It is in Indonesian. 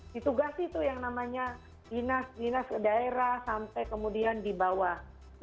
ditugasi tuh yang namanya dinas dinas daerah sampai kemudian di bawah